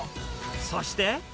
そして。